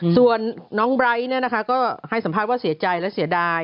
ส่วนน้องไบร์ทก็ให้สัมภาษณ์ว่าเสียใจและเสียดาย